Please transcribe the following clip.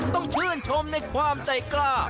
ต้องชื่นชมในความใจกล้า